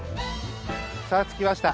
さあ、着きました。